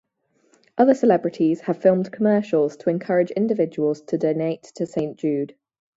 Other celebrities have filmed commercials to encourage individuals to donate to Saint Jude.